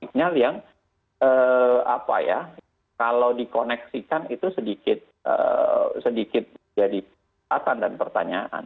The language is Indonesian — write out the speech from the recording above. signal yang apa ya kalau dikoneksikan itu sedikit jadi tatan dan pertanyaan